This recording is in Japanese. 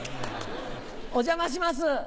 お邪魔します。